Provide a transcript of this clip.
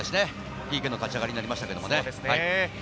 ＰＫの勝ち上がりになりました。